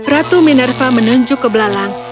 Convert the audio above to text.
ratu minerva menunjuk ke belalang